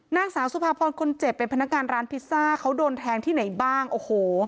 นางสาวสุภาพรคนเจ็บเป็นพนักงานร้านพิซซ่าเขาโดนแทงที่ไหนบ้างโอ้โห